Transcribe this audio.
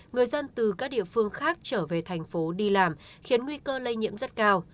người dân từ các địa phương khác trở về thành phố đi làm khiến nguy cơ lây nhiễm rất cao